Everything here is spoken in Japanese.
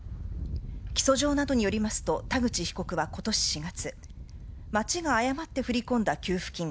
起訴状などによりますと田口被告は今年４月町が誤って振り込んだ給付金